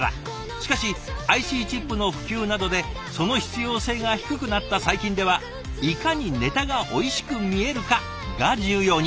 しかしＩＣチップの普及などでその必要性が低くなった最近ではいかにネタがおいしく見えるかが重要に。